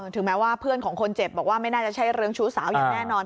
ถึงแม้ว่าเพื่อนของคนเจ็บบอกว่าไม่น่าจะใช่เรื่องชู้สาวอย่างแน่นอน